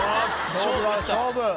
勝負だ勝負！